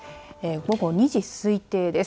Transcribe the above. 午後２時推定です。